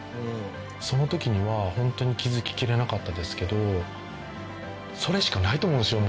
その時には本当に気付ききれなかったですけどそれしかないと思うんですよ